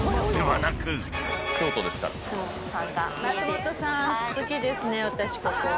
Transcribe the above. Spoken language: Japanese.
升本さん好きですね私。